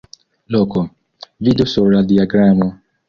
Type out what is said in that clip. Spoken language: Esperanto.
Loko: vidu sur la diagramo.